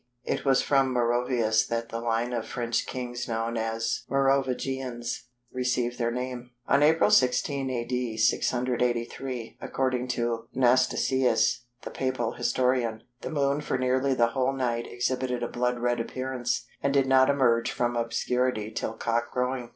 It was from Merovæus that the line of French kings known as Merovingians received their name. On April 16, A.D. 683, according to Anastasius the Papal historian, the Moon for nearly the whole night exhibited a blood red appearance, and did not emerge from obscurity till cockcrowing.